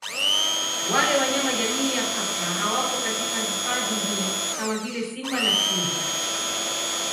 Wale wanyama jamii ya Paka hawapo katika hifadhi hii kama vile Simba na Chui